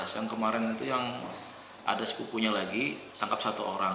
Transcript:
yang kemarin itu yang ada sepupunya lagi tangkap satu orang